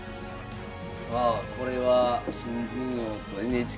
さあこれは新人王とＮＨＫ杯ですね。